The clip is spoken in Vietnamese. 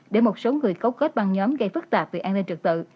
để một số người cấu kết băng nhóm gây phức tạp về an ninh trật tự